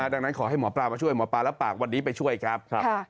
ดังนั้นขอให้หมอปลามาช่วยหมอปลารับปากวันนี้ไปช่วยครับ